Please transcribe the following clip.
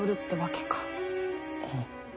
うん。